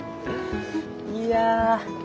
いや。